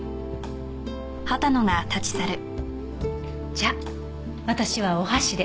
じゃあ私はお箸で。